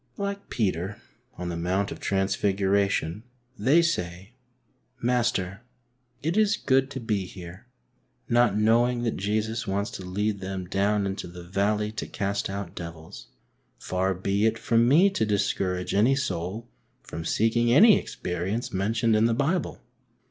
Like Peter on the Mount of Transfiguration, they say, " Master, it is good to be here,'* not knowing that Jesus wants to lead them down into the valley to cast out devils. Far be it from me to discourage any soul from seeking any experience mentioned in the Bible